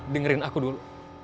dengerin aku dulu